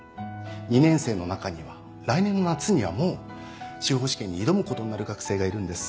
２年生の中には来年の夏にはもう司法試験に挑むことになる学生がいるんです。